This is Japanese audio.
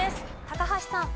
高橋さん。